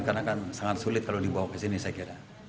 karena kan sangat sulit kalau dibawa ke sini saya kira